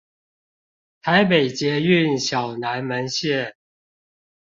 台北捷運小南門線